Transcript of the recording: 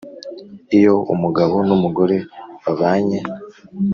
Iyo umugabo n umugore babanye